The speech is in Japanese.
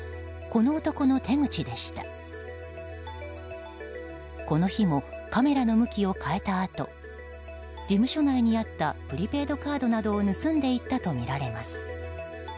この日もカメラの向きを変えたあと事務所内にあったプリペイドカードなどを盗んでいったとみられます。